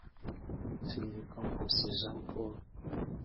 turibuka nkusi jean paul